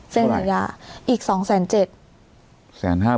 สัญญาอีก๒๗๐๐บาท